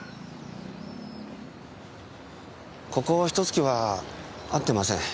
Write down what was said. ここひと月は会ってません。